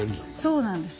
そうなんです